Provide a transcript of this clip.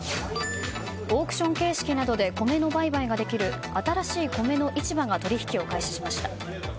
オークション形式などで米の売買ができる新しい米の市場が取引を開始しました。